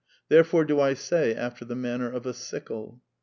Therefore do I say after the man ner of a sickle."